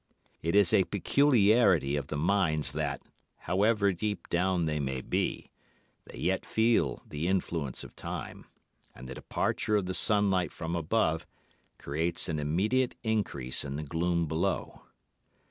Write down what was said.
It is a peculiarity of the mines that, however deep down they may be, they yet feel the influence of time, and the departure of the sunlight from above creates an immediate increase in the gloom below.